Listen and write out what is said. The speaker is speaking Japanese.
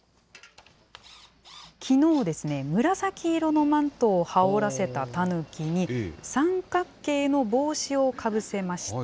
きのう、紫色のマントを羽織らせたたぬきに、三角形の帽子をかぶせました。